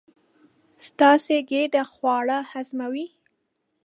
ستاسې ګېډه خواړه هضموي.